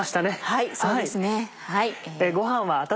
はいそうですね。